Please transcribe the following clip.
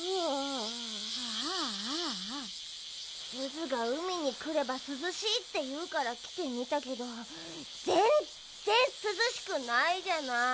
ズズが「うみにくればすずしい」っていうからきてみたけどぜんっぜんすずしくないじゃない。